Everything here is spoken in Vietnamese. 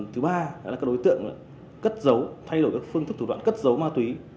thứ ba là các đối tượng thay đổi các phương thức thủ đoạn cất giấu ma túy